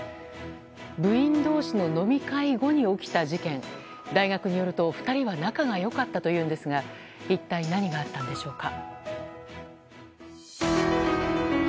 部員同士の飲み会後に起きた事件大学によると２人は仲が良かったというんですが一体何があったんでしょうか。